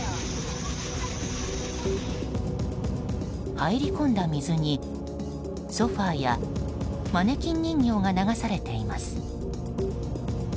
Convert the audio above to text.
入り込んだ水に、ソファやマネキン人形が流されています。